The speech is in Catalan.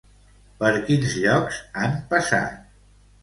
Per quins llocs han passat?